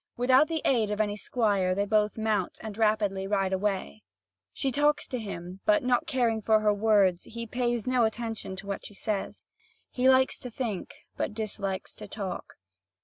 Without the aid of any squire, they both mount, and rapidly ride away. She talks to him, but not caring for her words, he pays no attention to what she says. He likes to think, but dislikes to talk.